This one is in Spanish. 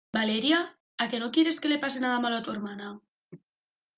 ¿ Valeria? ¿ a que no quieres que le pase nada malo a tu hermana ?